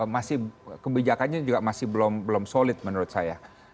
masih kebijakannya juga masih belum solid menurut saya